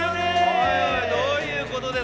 おいおいどういうことですかこれ？